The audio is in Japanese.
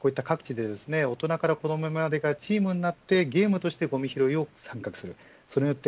こういった各地で大人から子どもがまでがチームになってゲームとしてごみ拾いを参画する。